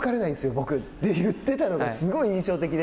僕って言ってたのがすごい印象的で。